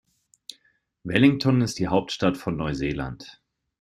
Wellington ist die Hauptstadt von Neuseeland.